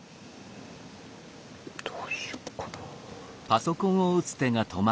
どうしよっかな。